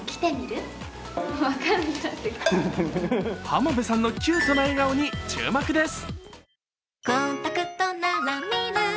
浜辺さんのキュートな笑顔に注目です。